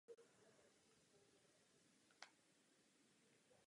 Používá se především v energetice.